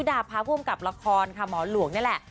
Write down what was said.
แบบละครมล่วงเนี่ยแหละ